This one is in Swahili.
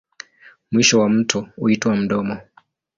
Mwisho wa mto huitwa mdomo.